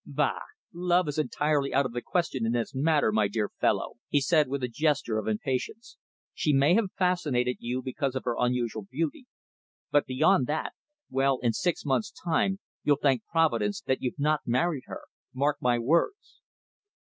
"Bah! Love is entirely out of the question in this matter, my dear fellow," he said, with a gesture of impatience. "She may have fascinated you because of her unusual beauty, but beyond that well, in six months' time you'll thank Providence that you've not married her mark my words."